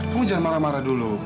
kamu jangan marah marah dulu